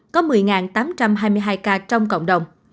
có một mươi tám trăm hai mươi hai ca trong cộng đồng